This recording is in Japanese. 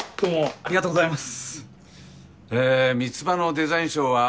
ありがとうございます。